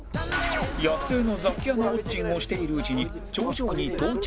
野生のザキヤマウォッチングをしているうちに頂上に到着